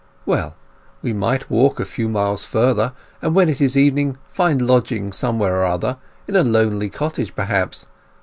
"Well, we might walk a few miles further, and when it is evening find lodgings somewhere or other—in a lonely cottage, perhaps.